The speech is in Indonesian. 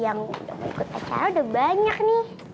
yang udah mau ikut apare udah banyak nih